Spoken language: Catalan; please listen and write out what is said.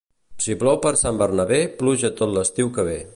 Si plou per Sant Bernabé, pluja tot l'estiu que ve.